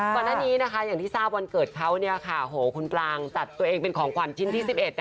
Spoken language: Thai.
ก่อนหน้านี้นะคะอย่างที่ทราบวันเกิดเขาคุณกลางจัดตัวเองเป็นของขวัญชิ้นที่๑๑